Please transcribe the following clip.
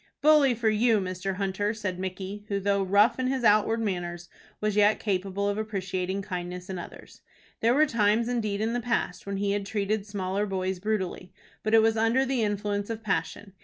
"Bully for you, Mr. Hunter!" said Micky, who, though rough in his outward manners, was yet capable of appreciating kindness in others. There were times indeed in the past when he had treated smaller boys brutally, but it was under the influence of passion.